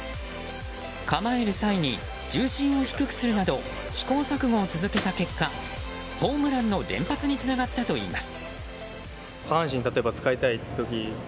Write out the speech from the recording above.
構える際に、重心を低くするなど試行錯誤を続けた結果ホームランの連発につながったといいます。